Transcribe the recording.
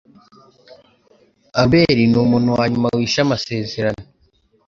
Albert numuntu wanyuma wishe amasezerano.